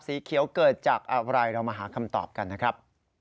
สีเขียวเกิดจากอะไรเรามาหาคำตอบกันนะครับ